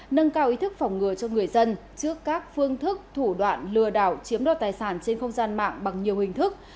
nâng cao ý thức phòng ngừa cho người dân trước các phương thức thủ đoạn lừa đảo chiếm đoạt tài sản trên không gian mạng bằng nhiều hình thức